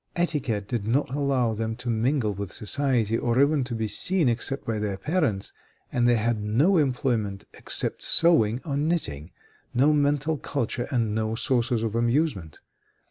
Etiquette did not allow them to mingle with society, or even to be seen except by their parents, and they had no employment except sewing or knitting, no mental culture and no sources of amusement.